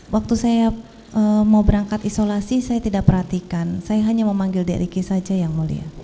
waktu saya mau berangkat isolasi saya tidak perhatikan saya hanya memanggil d rick saja yang mulia